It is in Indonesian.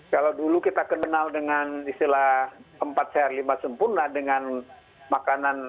kalau dulu kita kenal dengan istilah empat sehat lima sempurna dengan makanan